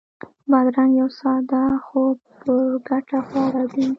بادرنګ یو ساده خو پُرګټه خواړه دي.